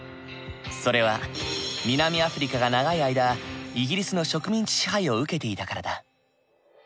それは南アフリカが長い間イギリスの植民地支配を受けていたからだ。